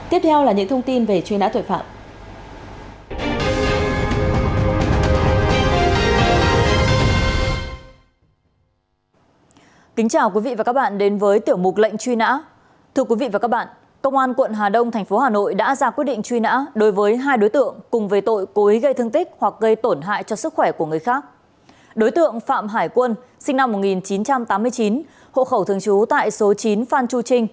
tiếp theo là những thông tin về chuyên án tuổi phạm